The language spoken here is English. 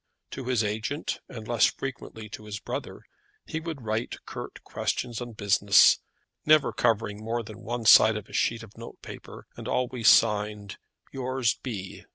To his agent, and less frequently to his brother, he would write curt, questions on business, never covering more than one side of a sheet of notepaper, and always signed "Yours, B."